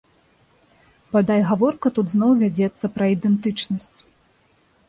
Бадай, гаворка тут зноў вядзецца пра ідэнтычнасць.